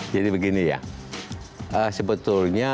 jadi begini ya sebetulnya